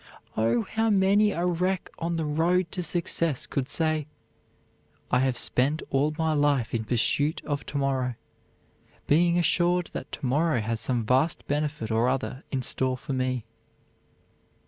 Oh, how many a wreck on the road to success could say: "I have spent all my life in pursuit of to morrow, being assured that to morrow has some vast benefit or other in store for me."